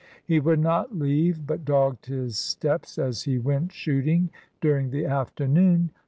He would not leave but dogged his steps as he went shooting during the afternoon.